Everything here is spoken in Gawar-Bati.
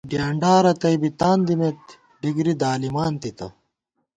ڈیانڈا رتئ بی تاندِمېت ، ڈِگری دالِمانتِتہ